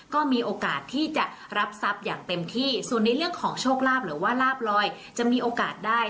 ก็มีโอกาสที่จะรับทรัพย์อย่างเต็มที่ส่วนในเรื่องของโชคลาภหรือว่าลาบลอยจะมีโอกาสได้